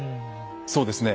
そうですね。